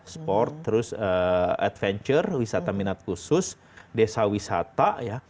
sport terus adventure wisata minat khusus desa wisata ya